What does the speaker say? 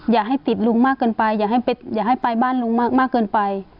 อย่าให้ติดลุงมากเกินไปอย่าให้ไปบ้านลุงมากเกินไป